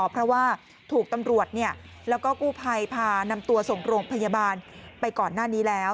เพราะว่าถูกตำรวจแล้วก็กู้ภัยพานำตัวส่งโรงพยาบาลไปก่อนหน้านี้แล้ว